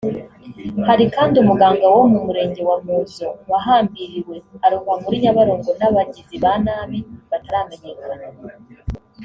Hari kandi umuganga wo mu Murenge wa Muzo wahambiriwe arohwa muri Nyabarongo n'abagizi ba nabi bataramenyekana